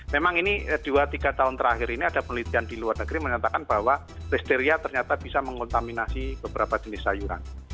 memang ini dua tiga tahun terakhir ini ada penelitian di luar negeri menyatakan bahwa listeria ternyata bisa mengontaminasi beberapa jenis sayuran